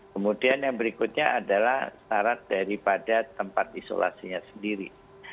kemudian yang berikutnya adalah syarat daripada tempat isolasinya sendiri